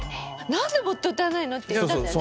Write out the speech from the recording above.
「なぜもっと歌わないの？」って言ったんだよね。